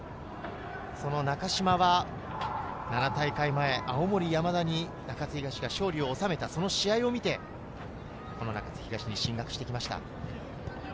その中島は、７大会前、青森山田に中津東が勝利を収めた試合を見て中津東に進学してきました。